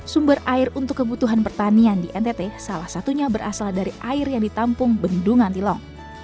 sumber air untuk kebutuhan pertanian di ntt salah satunya berasal dari air yang ditampung bendungan tilong